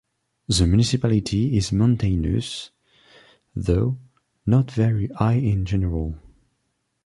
The municipality is mountainous, though not very high in general.